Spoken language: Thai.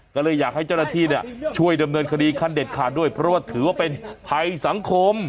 ก็เลยอยากให้เจ้าหน้าที่ช่วยดำเนินคดีขั้นเด็ดขาดด้วยเพราะว่าถือว่าเป็นภัยสังคม